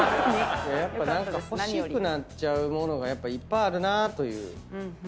やっぱ欲しくなっちゃう物がいっぱいあるなという。